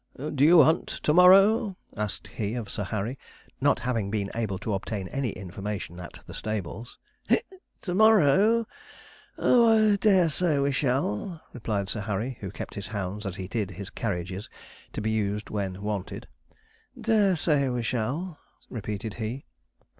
'Do you hunt to morrow?' asked he of Sir Harry, not having been able to obtain any information at the stables. 'to morrow? Oh, I dare say we shall,' replied Sir Harry, who kept his hounds as he did his carriages, to be used when wanted. 'Dare say we shall,' repeated he.